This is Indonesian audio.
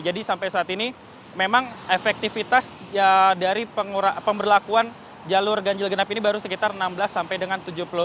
jadi sampai saat ini memang efektivitas dari pemberlakuan jalur ganjil kenap ini baru sekitar enam belas sampai dengan tujuh belas